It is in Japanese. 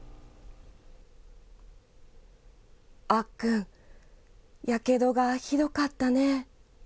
あっくん、やけどがひどかったね。